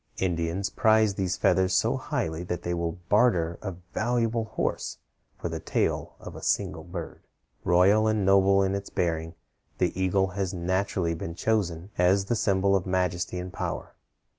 Indians prize these feathers so highly that they will barter a valuable horse for the tail of a single bird. Royal and noble in its bearing, the eagle has naturally been chosen as the symbol of majesty and power.